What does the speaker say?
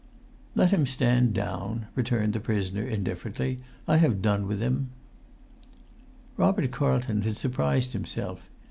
"Let him stand down," returned the prisoner, indifferently. "I have done with him." Robert Carlton had surprised himself.